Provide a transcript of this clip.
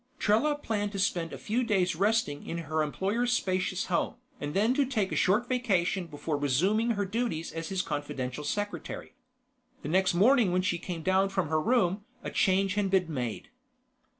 Trella planned to spend a few days resting in her employer's spacious home, and then to take a short vacation before resuming her duties as his confidential secretary. The next morning when she came down from her room, a change had been made.